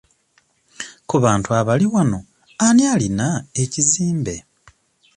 Ku bantu abali wano ani alina ekizimbe?